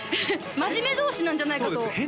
真面目同士なんじゃないかとそうですね